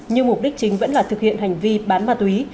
nhưng mục đích chính vẫn là thực hiện hành vi bán ma túy